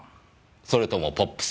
それともポップス。